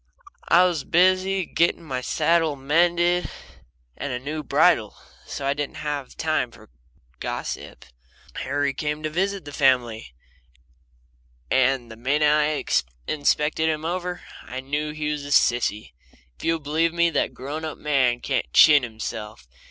I was busy getting my saddle mended and a new bridle, so I didn't have time for gossip. Harry came to visit the family, and the minute I inspected him over I knew he was a sissy. If you'll believe me, that grown up man can't chin himself.